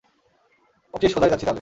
ওকে, সোজাই যাচ্ছি তাহলে।